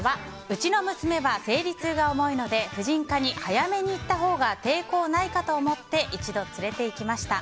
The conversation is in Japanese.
うちの娘は生理痛が重いので婦人科に早めに行ったほうが抵抗ないかと思って一度、連れていきました。